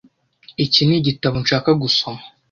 Iki nigitabo nshaka gusoma.